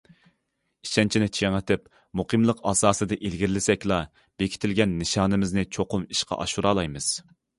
ئىشەنچنى چىڭىتىپ، مۇقىملىق ئاساسىدا ئىلگىرىلىسەكلا، بېكىتىلگەن نىشانىمىزنى چوقۇم ئىشقا ئاشۇرالايمىز.